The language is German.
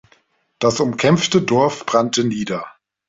Das umkämpfte Dorf brannte nieder.